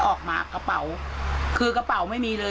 กระเป๋าคือกระเป๋าไม่มีเลย